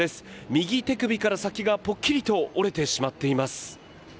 右手首から先がぽっきりと折れてしまっています。